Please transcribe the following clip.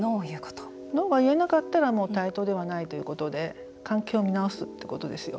ノーが言えなかったら、もう対等ではないということで関係を見直すということです。